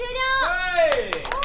はい！